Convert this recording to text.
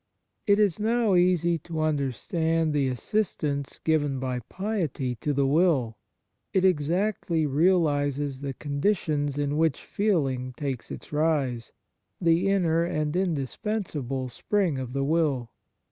It is now easy to understand the assistance given by piety to the will ; it exactly realizes the conditions in which feeling takes its rise, the inner and indispensable spring of the will.